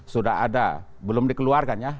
sudah ada belum dikeluarkan ya